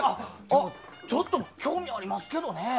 これもちょっと興味ありますけどね。